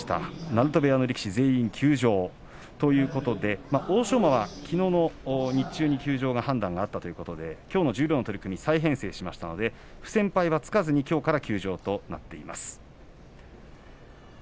鳴戸部屋の力士は全員休場ということで欧勝馬は、きのうの日中に休場の判断があったのできょうの十両の取組は再編成がありまして不戦敗はつかずにきょうから休場ということになります。